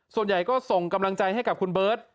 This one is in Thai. ส่วนใหญ่ก็ส่งกำลังใจให้กับคุณเบิร์ต